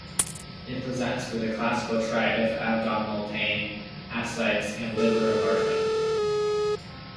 It presents with a "classical triad" of abdominal pain, ascites, and liver enlargement.